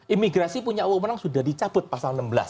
imigrasi punya wawonan sudah dicabut pasal enam belas